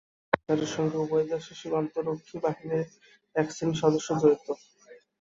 এই পাচারের সঙ্গে উভয় দেশের সীমান্তরক্ষী বাহিনীর একশ্রেণির সদস্য জড়িত।